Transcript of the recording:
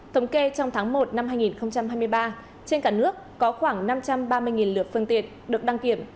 thống kê trong tháng một năm hai nghìn hai mươi ba trên cả nước có khoảng năm trăm ba mươi lượt phương tiện được đăng kiểm